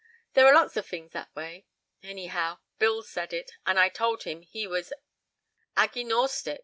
There are lots of fings that way. Anyhow, Bill said it, and I told him he was an aggynorstic.